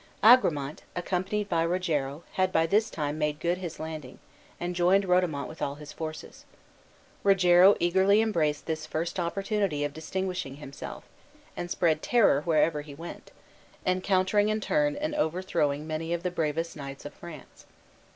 Agramant, accompanied by Rogero, had by this time made good his landing, and joined Rodomont with all his forces. Rogero eagerly embraced this first opportunity of distinguishing himself, and spread terror wherever he went, encountering in turn and overthrowing many of the bravest knights of France.